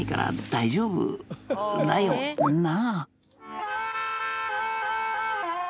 「大丈夫だよな？」